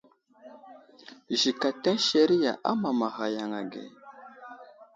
Zik ateŋ seriya amamaghay yaŋ age.